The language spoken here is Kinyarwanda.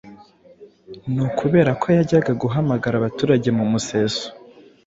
ni ukubera ko yajyaga guhamagara abaturage mu museso